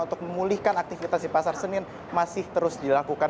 untuk memulihkan aktivitas di pasar senen masih terus dilakukan